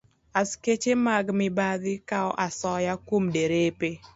Askeche mag mibadhi kawo asoya kuom derepe